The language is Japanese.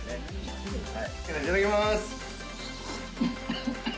いただきます。